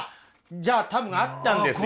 じゃあ多分合ったんですよ。